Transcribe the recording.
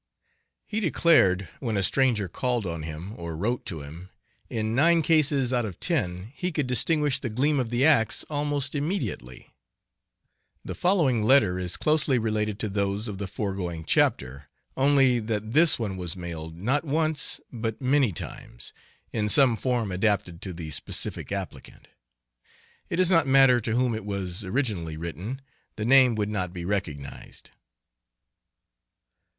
He declared when a stranger called on him, or wrote to him, in nine cases out of ten he could distinguish the gleam of the ax almost immediately. The following letter is closely related to those of the foregoing chapter, only that this one was mailed not once, but many times, in some form adapted to the specific applicant. It does not matter to whom it was originally written, the name would not be recognized.